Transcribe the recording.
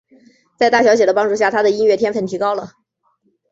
在大小姐的帮助下他的音乐天份提高了。